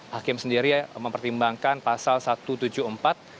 hakim sendiri mempertimbangkan pasal satu ratus tujuh puluh empat